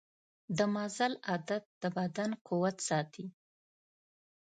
د مزل عادت د بدن قوت ساتي.